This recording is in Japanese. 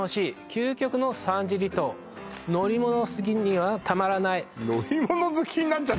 究極の３次離島」「乗り物好きにはたまらない！」